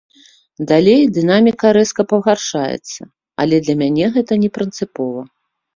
Далей дынаміка рэзка пагаршаецца, але для мяне гэта не прынцыпова.